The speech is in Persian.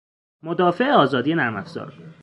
مدافع آزادی نرمافزار